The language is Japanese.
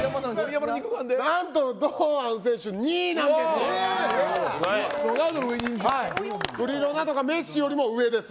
何と堂安選手２位なんです。